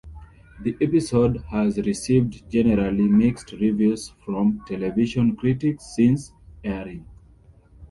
The episode has received generally mixed reviews from television critics since airing.